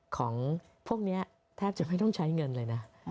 ของพวกนี้แทบจะไม่ต้องใช้เงินเลยนะ